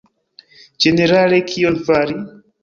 Ĝenerale, kion fari?